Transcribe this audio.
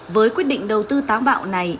với quyết định đầu tư táng bạo này